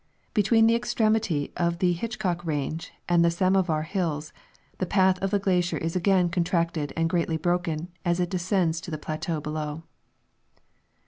Between the extremity of the Hitchcock range and the Samovar hills the path of the glacier is again contracted and greatly broken as it descends to the plateau below.